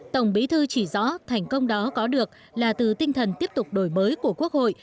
tổng bí thư chỉ rõ thành công đó có được là từ tinh thần tiếp tục đổi mới của quốc hội